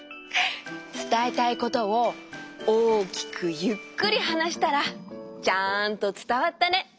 つたえたいことを大きくゆっくりはなしたらちゃんとつたわったね。